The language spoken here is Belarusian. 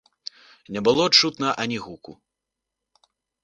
Не было чутно ані гуку.